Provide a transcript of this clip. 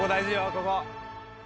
ここ。